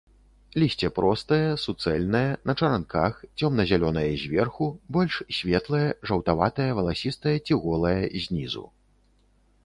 Лісце простае, суцэльнае, на чаранках, цёмна-зялёнае зверху, больш светлае, жаўтаватае, валасістае ці голае знізу.